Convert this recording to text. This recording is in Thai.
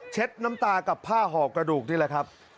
น้ำตากับผ้าห่อกระดูกนี่แหละครับ